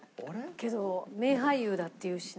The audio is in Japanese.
けど名俳優だっていうしな。